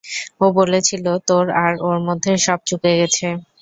ও বলেছিল তোর আর ওর মধ্যে সব চুকে গেছে।